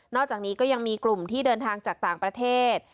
อกจากนี้ก็ยังมีกลุ่มที่เดินทางจากต่างประเทศ